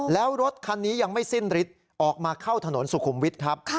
แล้วรถคันนี้ยังไม่สิ้นฤทธิ์ออกมาเข้าถนนสุขุมวิทย์ครับ